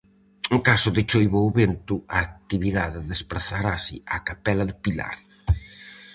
En caso de choiva ou vento a actividade desprazarase á capela do Pilar.